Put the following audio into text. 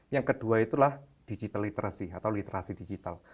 yang kedua itulah digital literacy atau literasi digital